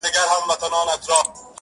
چي لمبې یې پورته کیږي له وزرو-